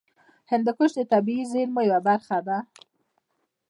هندوکش د طبیعي زیرمو یوه برخه ده.